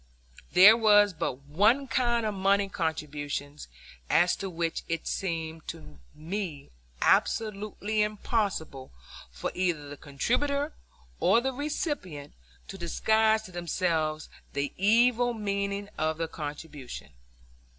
There was but one kind of money contributions as to which it seemed to me absolutely impossible for either the contributor or the recipient to disguise to themselves the evil meaning of the contribution.